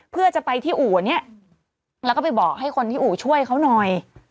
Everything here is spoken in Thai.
เพื่อจะไปที่อู่อันนี้แล้วก็ไปบอกให้คนที่อู่ช่วยเขาหน่อย